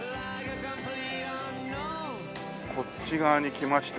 こっち側に来ました。